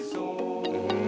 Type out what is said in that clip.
うん。